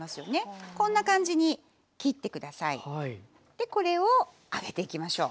でこれを揚げていきましょう。